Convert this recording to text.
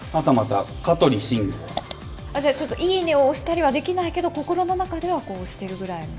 じゃあちょっと、いいねを押したりはできないけど、心の中では押してるぐらいの。